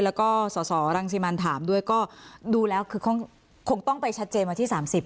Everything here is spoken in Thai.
แล้วก็สสรังสิมันถามด้วยก็ดูแล้วคือคงต้องไปชัดเจนวันที่๓๐